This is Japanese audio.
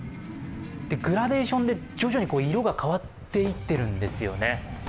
グラデーションで徐々に色が変わっていっているんですよね。